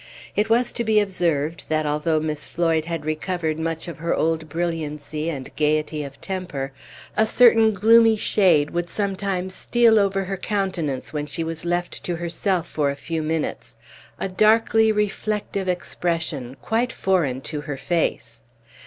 It was to be observed that, although Miss Floyd had recovered much of her old brilliancy and gayety of temper, a certain gloomy shade would sometimes steal over her countenance when she was left to herself for a few minutes a darkly reflective expression, quite foreign to her face.